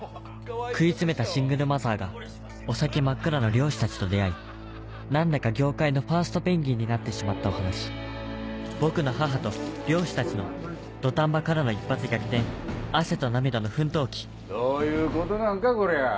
食い詰めたシングルマザーがお先真っ暗の漁師たちと出会い何だか業界のファーストペンギンになってしまったお話僕の母と漁師たちの土壇場からの一発逆転汗と涙の奮闘記どういうことなんかこりゃ。